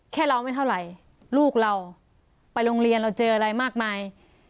เราไม่เท่าไหร่ลูกเราไปโรงเรียนเราเจออะไรมากมาย